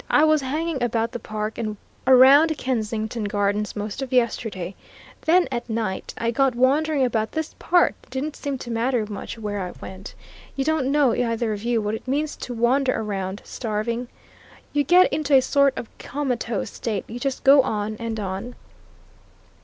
"I was hanging about the Park and around Kensington Gardens most of yesterday. Then, at night, I got wandering about this part didn't seem to matter much where I went. You don't know, either of you, what it means to wander round, starving. You get into a sort of comatose state you just go on and on.